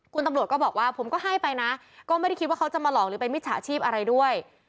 คุณตำรวจก็บอกว่าผมก็ให้ไปนะก็ไม่ได้คิดว่าเขาจะมาหลอกหรือเป็นมิจฉาชีพอะไรด้วย